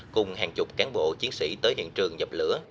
cùng hàng chục cán bộ chiến sĩ tới hiện trường dập lửa